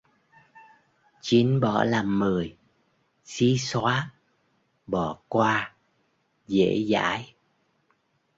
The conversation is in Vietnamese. Chín bỏ làm mười: xí xóa, bỏ qua, dễ dãi